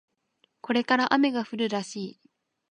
これから雨が降るらしい